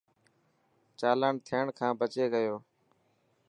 چالان ٿيڻ کان بچي گيو.